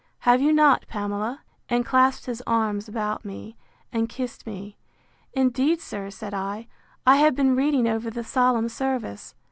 Have you not, Pamela? and clasped his arms about me, and kissed me. Indeed, sir, said I, I have been reading over the solemn service.